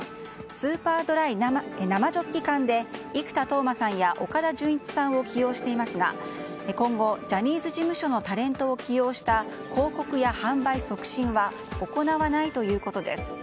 スーパードライ生ジョッキ缶で生田斗真さんや岡田准一さんを起用していますが今後、ジャニーズ事務所のタレントを起用した広告や販売促進は行わないということです。